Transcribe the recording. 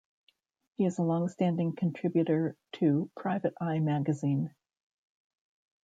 He is a long-standing contributor to "Private Eye" Magazine.